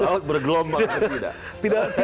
laut bergelombang atau tidak